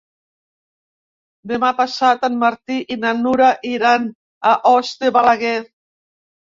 Demà passat en Martí i na Nura iran a Os de Balaguer.